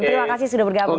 terima kasih sudah bergabung